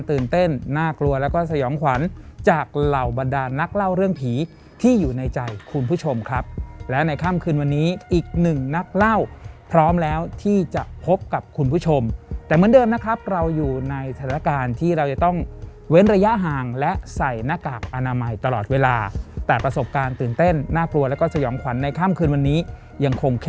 ตื่นเต้นน่ากลัวแล้วก็สยองขวัญจากเหล่าบรรดานนักเล่าเรื่องผีที่อยู่ในใจคุณผู้ชมครับและในค่ำคืนวันนี้อีกหนึ่งนักเล่าพร้อมแล้วที่จะพบกับคุณผู้ชมแต่เหมือนเดิมนะครับเราอยู่ในสถานการณ์ที่เราจะต้องเว้นระยะห่างและใส่หน้ากากอนามัยตลอดเวลาแต่ประสบการณ์ตื่นเต้นน่ากลัวแล้วก็สยองขวัญในค่ำคืนวันนี้ยังคงเข